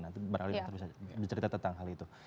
nanti barangkali dokter bisa dicerita tentang hal itu